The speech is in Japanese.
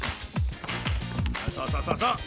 そうそうそうそうそう！